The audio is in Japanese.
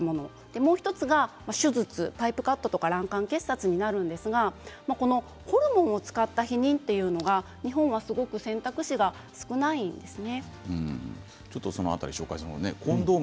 もう１つが手術パイプカットとか卵管結さくになるんですがホルモンを使った避妊というのは日本はすごく選択肢が少ないんですね。